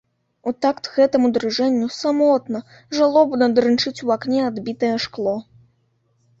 У такт гэтаму дрыжэнню самотна, жалобна дрынчыць у акне адбітае шкло.